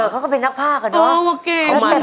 เขาก็เป็นนักภาคอะเนาะ